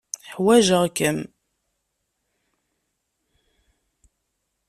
Ḥwajeɣ-kem.